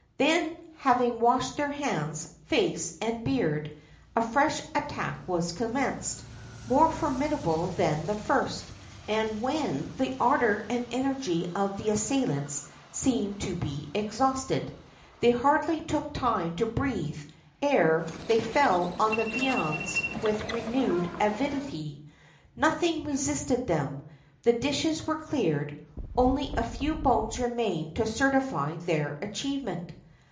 Then, having washed their hands, face, and beard, a fresh attack was commenced, more formidable than the first; and when the ardour and energy of the assailants seemed to be exhausted, they hardly took time to breathe ere they fell on the viands with renewed avidity. Nothing resisted them; the dishes were cleared; only a few bones remained to certify their achievement.